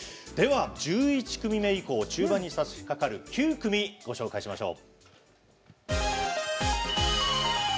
では、１１組目以降中盤にさしかかる９組、ご紹介しましょう。